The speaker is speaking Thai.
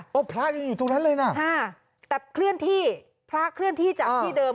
พระยังอยู่ตรงนั้นเลยนะแต่เคลื่อนที่พระเคลื่อนที่จากที่เดิม